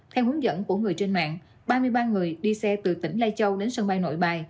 theo hướng dẫn của người trên mạng ba mươi ba người đi xe từ tỉnh lai châu đến sân bay nội bài